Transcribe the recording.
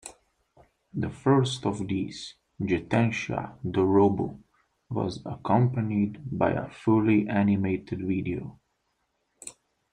The first of these, "Jitensha Dorobou", was accompanied by a fully animated video.